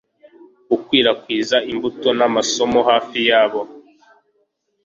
Gukwirakwiza imbuto namasomo hafi yabo